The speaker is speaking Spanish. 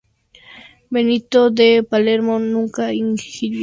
Benito de Palermo nunca ingirió alcohol, como muchos popularmente lo piensan.